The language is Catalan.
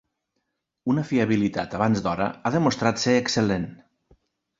Una fiabilitat abans d'hora ha demostrat ser excel·lent.